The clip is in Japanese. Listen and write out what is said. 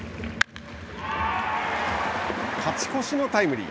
勝ち越しのタイムリー。